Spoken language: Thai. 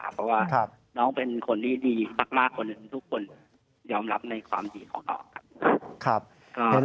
เพราะว่าน้องเป็นคนที่ดีมากคนหนึ่งทุกคนยอมรับในความดีของน้องครับ